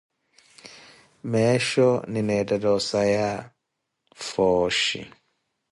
Meesho nineettela osaya fooshi.